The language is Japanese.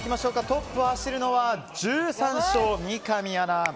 トップを走るのは１３勝三上アナ。